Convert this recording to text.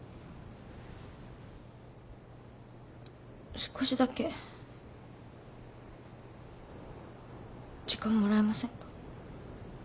少しだけ時間もらえませんか？